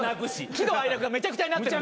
喜怒哀楽がめちゃくちゃになってる。